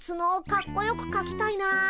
かっこよくかきたいな。